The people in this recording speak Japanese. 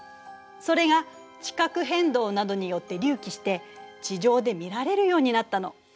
それが地殻変動などによって隆起して地上で見られるようになったの。